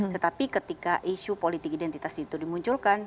tetapi ketika isu politik identitas itu dimunculkan